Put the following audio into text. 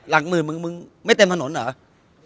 หลักหมื่นมึงมึงไม่เต็มถนนเหรอ